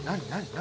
何？